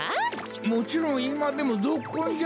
もちろんいまでもぞっこんじゃ！